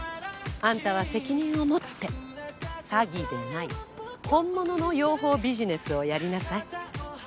あんたは責任を持って詐欺でない本物の養蜂ビジネスをやりなさい。